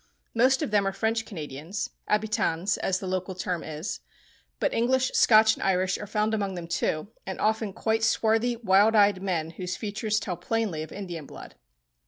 Most of them are French Canadians—habitans, as the local term is—but English, Scotch, and Irish are found among them too, and quite often swarthy, wild eyed men whose features tell plainly of Indian blood.